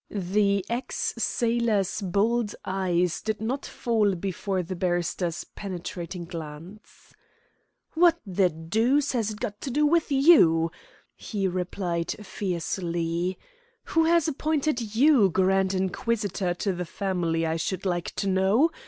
The ex sailor's bold eyes did not fall before the barrister's penetrating glance. "What the deuce has it got to do with you?" he replied fiercely. "Who has appointed you grand inquisitor to the family, I should like to know?